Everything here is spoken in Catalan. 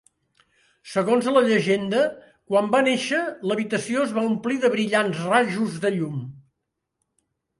Segons la llegenda, quan va néixer l'habitació es va omplir de brillants rajos de llum.